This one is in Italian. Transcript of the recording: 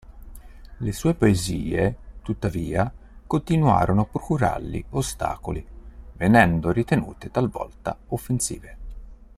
Le sue poesie, tuttavia, continuarono a procurargli ostacoli, venendo ritenute talvolta offensive.